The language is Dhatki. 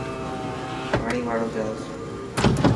پاڻي واڙو جهاز.